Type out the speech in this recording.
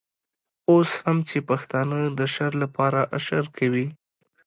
اوس هم چې پښتانه د شر لپاره اشر کوي.